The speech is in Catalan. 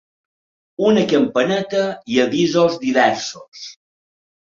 Una campaneta i avisos diversos.